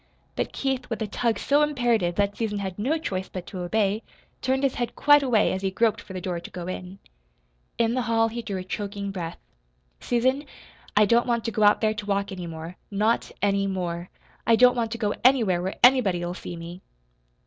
But Keith, with a tug so imperative that Susan had no choice but to obey, turned his head quite away as he groped for the door to go in. In the hall he drew a choking breath. "Susan, I don't want to go out there to walk any more NOT ANY MORE! I don't want to go anywhere where anybody'll see me."